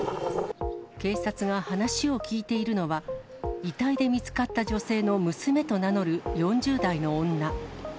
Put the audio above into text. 警察が話を聴いているのは、遺体で見つかった女性の娘と名のる４０代の女。